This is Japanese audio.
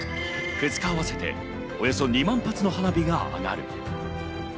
２日あわせて、およそ２万発の花火が上がる。